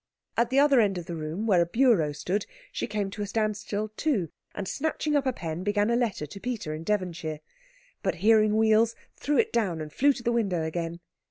At the other end of the room, where a bureau stood, she came to a standstill too, and snatching up a pen began a letter to Peter in Devonshire; but, hearing wheels, threw it down and flew to the window again.